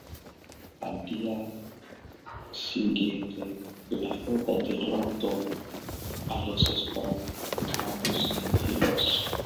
Al día siguiente la flota derrotó a los espartanos en Pilos.